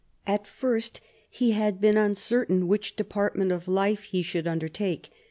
At first he had been uncertain which department of life he should undertake.